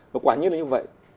và quả nhất là như vậy